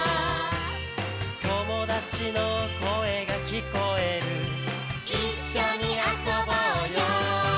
「友達の声が聞こえる」「一緒に遊ぼうよ」